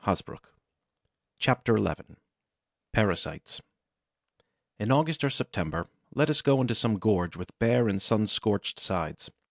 CHAPTER XI PARASITES In August or September, let us go into some gorge with bare and sun scorched sides.